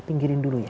pinggirin dulu ya